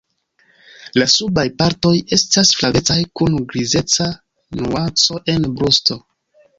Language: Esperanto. La subaj partoj estas flavecaj, kun grizeca nuanco en brusto.